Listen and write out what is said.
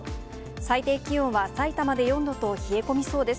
最低気温はさいたまで４度と冷え込みそうです。